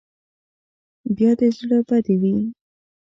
بیا دې زړه بدې وي.